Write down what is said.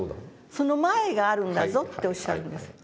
「その前があるんだぞ」っておっしゃるんです。